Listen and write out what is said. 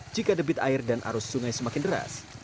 jika debit air dan arus sungai semakin deras